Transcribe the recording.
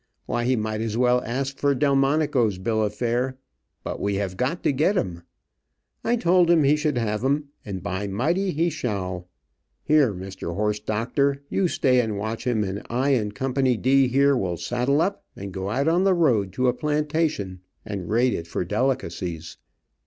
Why, he might as well ask for Delmonico's bill of fare, but we have got to get 'em. I told him he should have em, and, by mighty! he shall. Here, Mr. Horse doctor, you stay and watch him, and I and Company D here will saddle up and go out on the road to a plantation, and raid it for delicacies.